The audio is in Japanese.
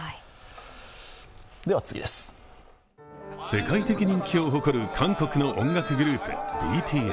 世界的人気を誇る韓国の音楽グループ、ＢＴＳ。